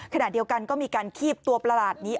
ขณะเดียวกันก็มีการคีบตัวประหลาดนี้